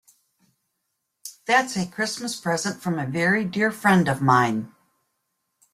That's a Christmas present from a very dear friend of mine.